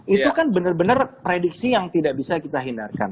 itu kan benar benar prediksi yang tidak bisa kita hindarkan